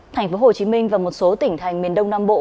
thành phố hồ chí minh và một số tỉnh thành miền đông nam bộ